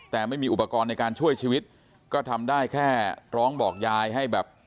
แต่ไม่มีอุปกรณ์ในการช่วยชีวิตก็ทำได้แค่ร้องบอกยายให้แบบ